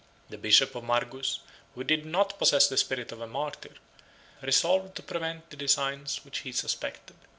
The bishop of Margus, who did not possess the spirit of a martyr, resolved to prevent the designs which he suspected.